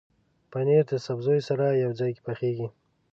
پنېر د سبزیو سره یوځای پخېږي.